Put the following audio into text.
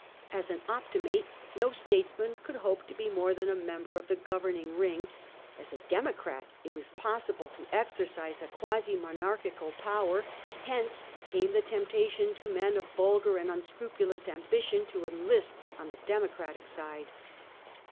As an Optimate, no statesman could hope to be more than a member of the governing ring ; as a Democrat, it was possible to exercise a quasi monarchical power ; hence came the temptation to men of vulgar and unscrupulous ambition to enlist on the Democratic side.